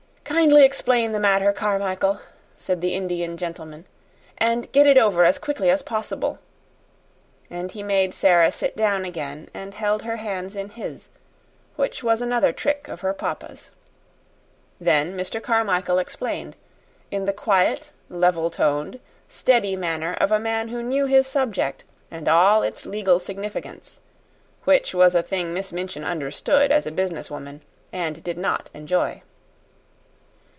"Kindly explain the matter, Carmichael," said the Indian gentleman; "and get it over as quickly as possible." And he made Sara sit down again, and held her hands in his which was another trick of her papa's. Then Mr. Carmichael explained in the quiet, level toned, steady manner of a man who knew his subject, and all its legal significance, which was a thing Miss Minchin understood as a business woman, and did not enjoy.